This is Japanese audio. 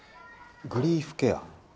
グリーフケア？